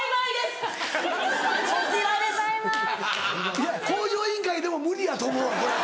いや『向上委員会』でも無理やと思うわこれは。